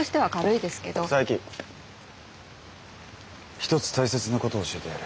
一つ大切なことを教えてやる。